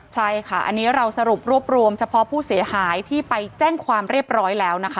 ใช่ค่ะอันนี้เราสรุปรวบรวมเฉพาะผู้เสียหายที่ไปแจ้งความเรียบร้อยแล้วนะคะ